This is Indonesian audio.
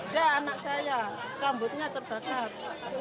ada anak saya rambutnya terbakar